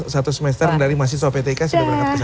satu semester dari mahasiswa ptk sudah berangkat ke sana